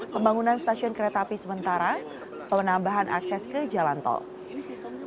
pembangunan stasiun kereta api sementara penambahan akses ke jalan tol